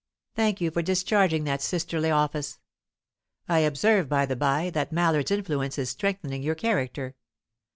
Thank you for discharging that sisterly office. I observe, by the bye, that Mallard's influence is strengthening your character.